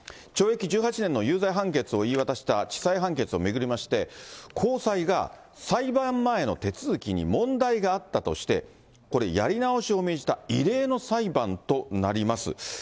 懲役１８年の有罪判決を言い渡した地裁判決を巡りまして、高裁が裁判前の手続きに問題があったとして、やり直しを命じた異例の裁判となります。